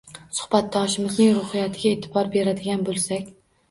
Suhbatimizning ruhiyatiga e’tibor beradigan bo‘lsak